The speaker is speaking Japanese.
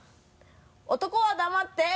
男は黙って。